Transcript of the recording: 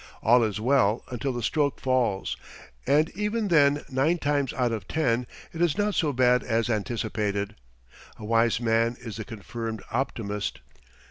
All is well until the stroke falls, and even then nine times out of ten it is not so bad as anticipated. A wise man is the confirmed optimist.